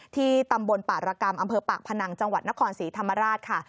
ที่ตำบลปรากรรมอปรักษ์พนังจังหวัดนครศรีธรรมราชค่ะ